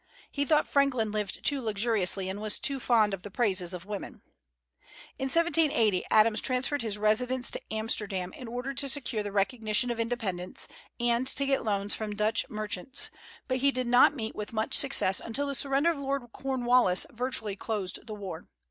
He thought that Franklin lived too luxuriously and was too fond of the praises of women. In 1780 Adams transferred his residence to Amsterdam in order to secure the recognition of independence, and to get loans from Dutch merchants; but he did not meet with much success until the surrender of Lord Cornwallis virtually closed the war.